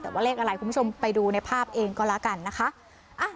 แต่ว่าเลขอะไรคุณผู้ชมไปดูในภาพเองก็แล้วกันนะคะ